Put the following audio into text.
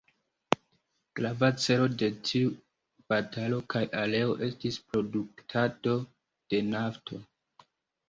Grava celo de tiu batalo kaj areo estis produktado de nafto.